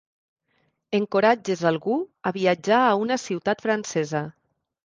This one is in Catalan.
Encoratges algú a viatjar a una ciutat francesa.